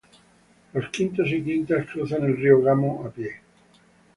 Los quintos y quintas cruzan el río Gamo a pie.